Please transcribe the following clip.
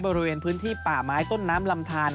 บริเวณพื้นที่ป่าไม้ต้นน้ำลำทาน